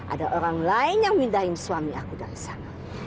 ada orang lain yang mindahin suami aku dari sana